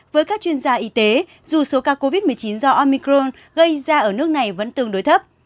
với các chuyên gia y tế dù số ca covid một mươi chín do omicron gây ra ở nước này vẫn tương đối thấp